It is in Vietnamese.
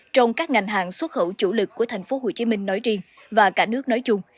trong các ngành hàng xuất khẩu chủ lực của tp hcm nói riêng và cả nước nói chung